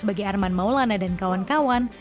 bagi arman maulana dan kawan kawan